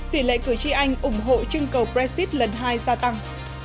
tỷ lệ cử tri anh ủng hộ chương cầu brexit lần hai gia tăng